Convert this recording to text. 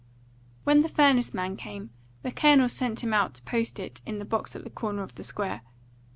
When the furnace man came, the Colonel sent him out to post it in the box at the corner of the square.